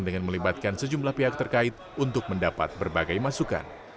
dengan melibatkan sejumlah pihak terkait untuk mendapat berbagai masukan